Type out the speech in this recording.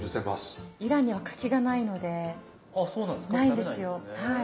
ないんですよはい。